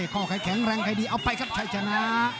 ข้อใครแข็งแรงใครดีเอาไปครับชัยชนะ